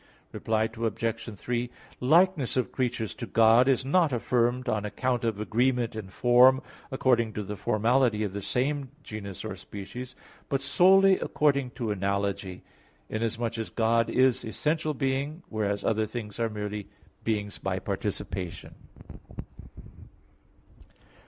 Reply Obj. 3: Likeness of creatures to God is not affirmed on account of agreement in form according to the formality of the same genus or species, but solely according to analogy, inasmuch as God is essential being, whereas other things are beings by participation.